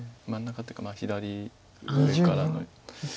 真ん中というか左上からの。